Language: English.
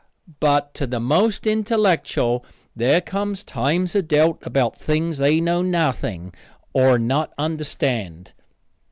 But to the most intellectual there comes times of doubt about things they know nothing of nor understand.